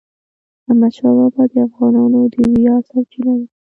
احمدشاه بابا د افغانانو د ویاړ سرچینه ده.